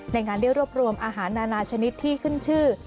งานได้รวบรวมอาหารนานาชนิดที่ขึ้นชื่อ